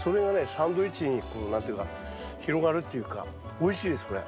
サンドイッチに何て言うのか広がるっていうかおいしいですこれ。